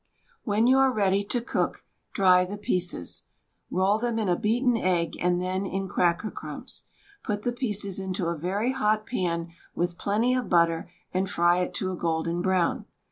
When you are ready to cook, dry the pieces; roll them in a beaten egg and then in cracker crumbs. Put the pieces into a very hot pan with plenty of butter and fry it to a golden brown.